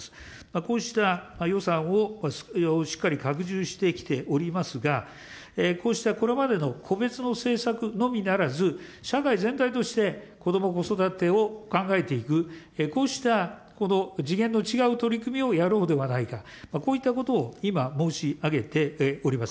こうした予算をしっかり拡充してきておりますが、こうしたこれまでの個別の政策のみならず、社会全体として、こども・子育てを考えていく、こうした次元の違う取り組みをやろうではないか、こういったことを今、申し上げております。